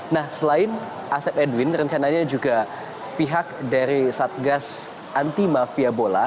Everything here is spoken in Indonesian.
nah selain asep edwin rencananya juga pihak dari satgas anti mafia bola